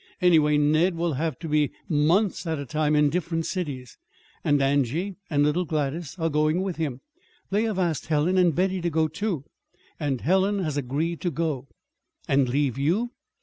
Anyway, Ned will have to be months at a time in different cities, and Angie and little Gladys are going with him. They have asked Helen and Betty to go, too; and Helen has agreed to go." "And leave you?"